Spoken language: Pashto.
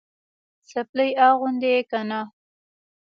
څپلۍ اغوندې که نه؟